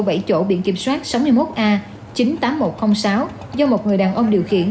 bảy chỗ biển kiểm soát sáu mươi một a chín mươi tám nghìn một trăm linh sáu do một người đàn ông điều khiển